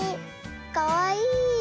かわいい。